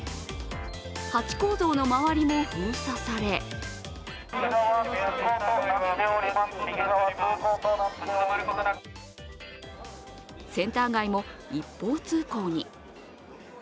ハチ公像の周りも封鎖されセンター街も一方通行に。